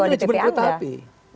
karena manajemen kereta api